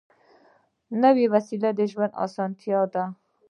نوې وسیله د ژوند اسانتیا ده